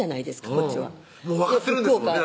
こっちは分かってるんですもん